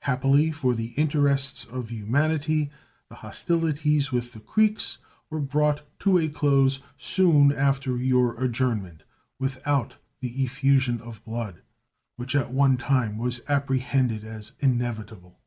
Happily for the interests of humanity, the hostilities with the Creeks were brought to a close soon after your adjournment, without that effusion of blood which at one time was apprehended as inevitable.